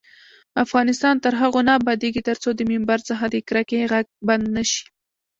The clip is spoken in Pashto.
افغانستان تر هغو نه ابادیږي، ترڅو د ممبر څخه د کرکې غږ بند نشي.